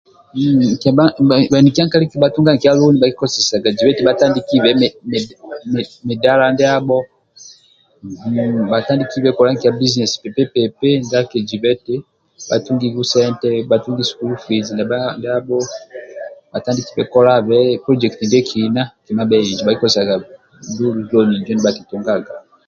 Huuu bhanikiekali kabhatunga mikia loni hakilozesaga zibe eti bhatandike mudala ndiabho bhatandikibe midala ndiabho bhatandikibe kola mikia bizinesi pipi pipi ndia akizibe eti h atungi sente bhatungi mikia sukulu fizi ndia bha dia ho bhatandiki polojekiti ndie kina